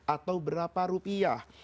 atau berapa rupiah